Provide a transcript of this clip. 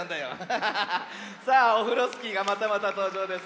さあオフロスキーがまたまたとうじょうです。